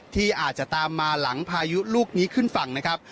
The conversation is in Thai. ที่อาจจะตามมาหลังพายุลูกนี้ขึ้นฝั่งนะครับ